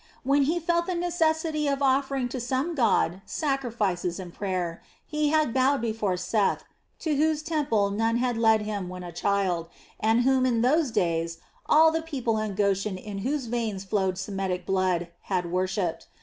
When he felt the necessity of offering to some god sacrifices and prayer, he had bowed before Seth, to whose temple Nun had led him when a child, and whom in those days all the people in Goshen in whose veins flowed Semitic blood had worshipped.